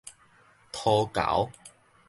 塗猴